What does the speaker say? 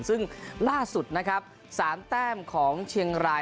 ซึ่งล่าสุดนะครับ๓แต้มของเชียงราย